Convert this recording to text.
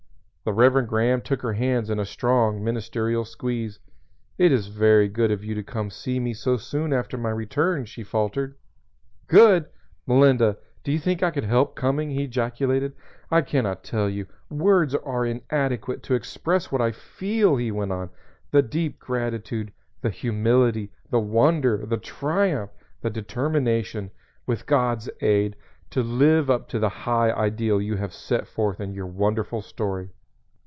The Reverend Graham took her hands in a strong ministerial squeeze. "It is very good of you to come to see me so soon after my return," she faltered. "Good Melinda! Do you think I could help coming?" he ejaculated. "I can not tell you words are inadequate to express what I feel," he went on, "the deep gratitude, the humility, the wonder, the triumph, the determination, with God's aid, to live up to the high ideal you have set forth in your wonderful story.